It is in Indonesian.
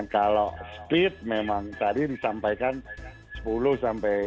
kalau speed memang tadi disampaikan sepuluh sampai